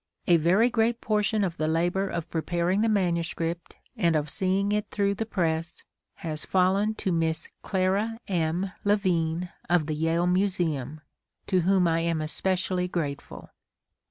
A very great portion of the labor of preparing the manuscript and of seeing it through the press has fallen to Miss Clara M. LeVene of the Yale Museum, to whom I am especially grateful.